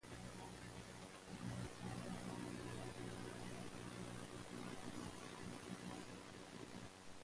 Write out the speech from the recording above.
A feature of so-called friendly matches were prizes for those who played well.